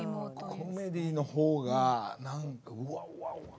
コメディーの方がなんかうわうわ